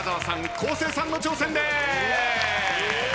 昴生さんの挑戦です！